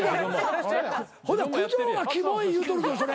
ほな九条がキモい言うとるぞそれ。